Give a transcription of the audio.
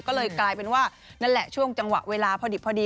ก็เลยกลายเป็นว่านั่นแหละช่วงจังหวะเวลาพอดิบพอดี